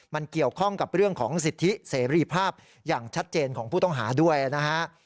มันเกี่ยวข้องกับเรื่องของสิทธิเสรีภาพอย่างชัดเจนของผู้ต้องหาด้วยนะฮะ